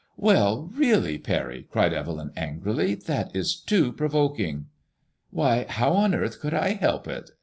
*• Well, really, Parry," cried Evelyn, angrily, "that is too provoking." Why how on earth could I help it